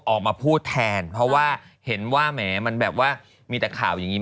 ออกมาพูดแทนเพราะว่าเห็นว่าแหมมันแบบว่ามีแต่ข่าวอย่างนี้